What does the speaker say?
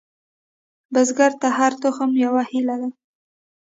بزګر ته هره تخم یوه هیلې ده